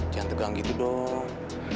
jangan tegang gitu dong